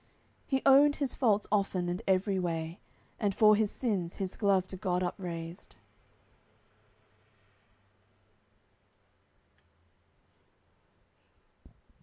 He owned his faults often and every way, And for his sins his glove to God upraised.